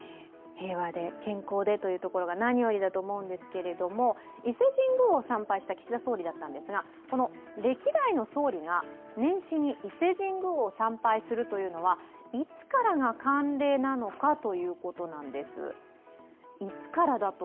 平和で、健康でというところが何よりだと思うんですが、伊勢神宮を参拝した岸田総理だったんですが歴代の総理が年始に伊勢神宮を参拝するというのはいつからが慣例なのかということです。